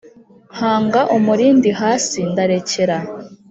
nkanga umurindi hasi ndarekera